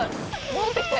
戻ってきて！